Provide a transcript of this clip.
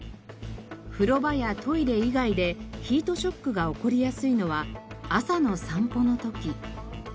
風呂場やトイレ以外でヒートショックが起こりやすいのは朝の散歩の時。